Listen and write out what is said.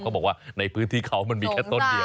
บอกว่าในพื้นที่เขามันมีแค่ต้นเดียว